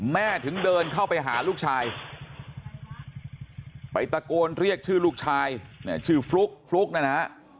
ถึงเดินเข้าไปหาลูกชายไปตะโกนเรียกชื่อลูกชายเนี่ยชื่อฟลุ๊กฟลุ๊กนะฮะ